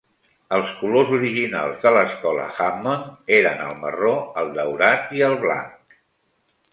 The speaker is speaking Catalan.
Els colors originals de l"escola Hammond eren el marró, el daurat i el blanc.